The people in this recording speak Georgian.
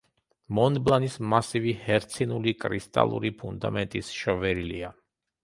მონბლანის მასივი ჰერცინული კრისტალური ფუნდამენტის შვერილია.